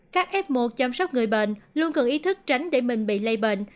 các f một chăm sóc người bệnh luôn cần ý thức tránh để mình bị lây bệnh